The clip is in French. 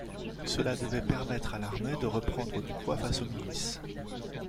Cela devait permettre à l'armée de reprendre du poids face aux milices.